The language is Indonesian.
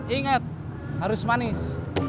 ingat harus manis